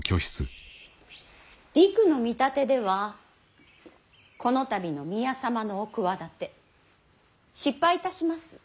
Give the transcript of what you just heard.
りくの見立てではこの度の宮様のお企て失敗いたします。